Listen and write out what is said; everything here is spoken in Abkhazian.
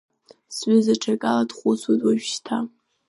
Сҩыза ҽакала дхәыцуеит уажәшьҭа…